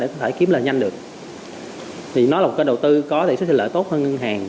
để có thể kiếm lời nhanh được thì nó là một kênh đầu tư có thể xuất hiện lợi tốt hơn ngân hàng